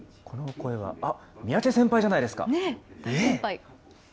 このお声は、三宅先輩じゃないですか。